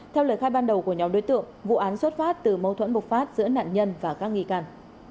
theo lời khai ban đầu của nhóm đối tượng vụ án xuất phát từ mâu thuẫn bộc phát giữa nạn nhân và các nghi can